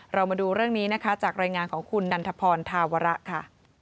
เรามาดูเรื่องนี้นะคะจากรายงานของคุณนันทพรธาวระค่ะ